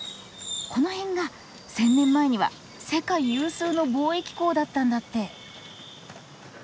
この辺が１，０００年前には世界有数の貿易港だったんだって。